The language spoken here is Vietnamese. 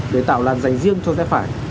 để tạo làn dành riêng cho dẹp phải